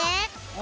お！